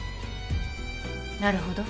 なるほど。